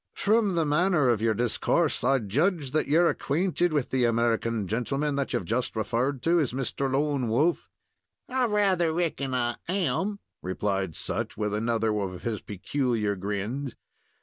"From the manner of your discourse, I judge that you're acquainted with the American gentleman that you've just referred to as Mr. Lone Wolf?" "I rather reckon I am," replied Sut, with another of his peculiar grins.